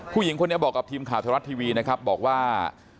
ผู้หญิงคนนี้บอกกับทีมข่าวไทยรัฐทีวีนะครับบอกว่า